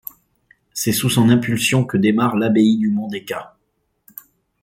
C'est sous son impulsion que démarre l'Abbaye du Mont des Cats.